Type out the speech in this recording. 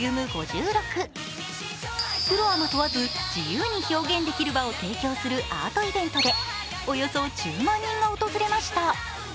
プロアマ問わず自由に表現できる場を提供するアートイベントでおよそ１０万人が訪れました。